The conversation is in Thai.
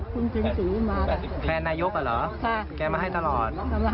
ตัวเองก็คอยดูแลพยายามเท็จตัวให้ตลอดเวลา